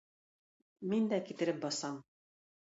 Мин дә китереп басам.